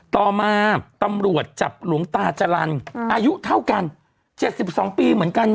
ต่อมาตำรวจจับหลวงตาจรรย์อายุเท่ากัน๗๒ปีเหมือนกัน